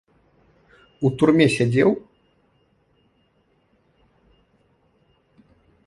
— У турме сядзеў?